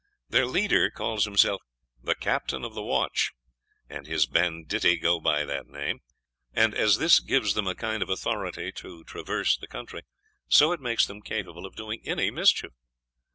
Their leader calls himself the Captain of the Watch, and his banditti go by that name. And as this gives them a kind of authority to traverse the country, so it makes them capable of doing any mischief.